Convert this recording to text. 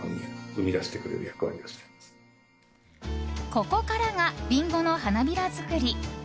ここからがリンゴの花びら作り。